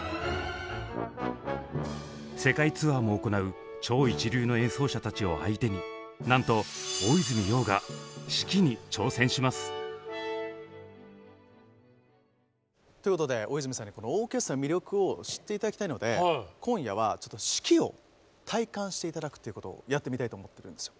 世界ツアーも行う超一流の演奏者たちを相手になんと大泉洋が指揮に挑戦します！ということで大泉さんにこのオーケストラの魅力を知っていただきたいのでやってみたいと思ってるんですよ。